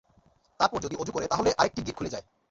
তারপর যদি ওযু করে তাহলে আরেকটি গিট খুলে যায়।